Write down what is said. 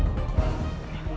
aku mau percaya dia